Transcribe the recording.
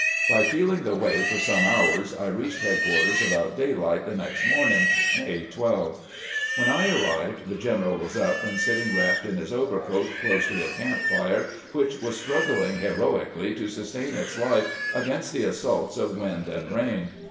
By feeling the way for some hours I reached headquarters about daylight the next morning. May 12. When I arrived the general was up and sitting wrapped in his overcoat close to a camp fire which was strug gling heroically to sustain its life against the assaults of wind and rain.